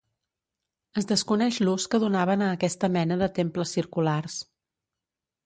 Es desconeix l'ús que donaven a aquesta mena de temples circulars.